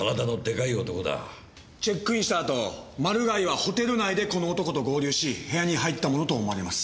チェックインしたあとマルガイはホテル内でこの男と合流し部屋に入ったものと思われます。